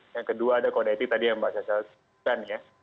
yang kedua ada kode etik tadi yang mbak sasa sebutkan ya